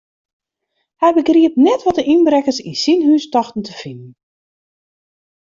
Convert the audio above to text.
Hy begriep net wat de ynbrekkers yn syn hús tochten te finen.